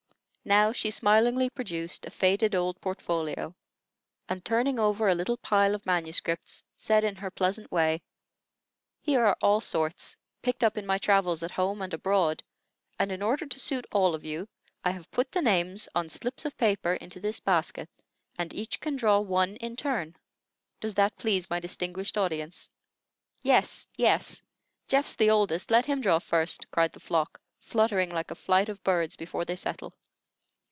Now, she smilingly produced a faded old portfolio, and, turning over a little pile of manuscripts, said in her pleasant way: "Here are all sorts, picked up in my travels at home and abroad; and in order to suit all of you, I have put the names on slips of paper into this basket, and each can draw one in turn. Does that please my distinguished audience?" "Yes, yes. Geoff's the oldest, let him draw first," cried the flock, fluttering like a flight of birds before they settle.